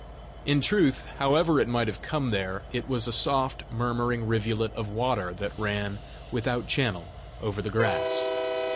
In truth, however it might have come there, it was a softly murmuring rivulet of water that ran, without channel, over the grass!